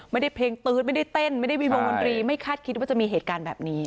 เพลงตื๊ดไม่ได้เต้นไม่ได้มีวงดนตรีไม่คาดคิดว่าจะมีเหตุการณ์แบบนี้